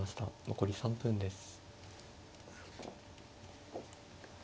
残り３分です。